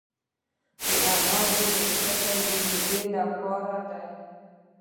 د انار پوستکي د معدې لپاره دي.